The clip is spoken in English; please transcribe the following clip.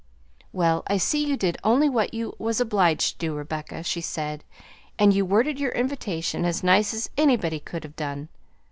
"Well, I see you did only what you was obliged to do, Rebecca," she said, "and you worded your invitation as nice as anybody could have done.